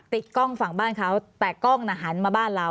ติดกล้องฝั่งบ้านเขาแต่กล้องน่ะหันมาบ้านเรา